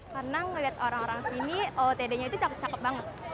karena melihat orang orang sini ootd nya itu cakep cakep banget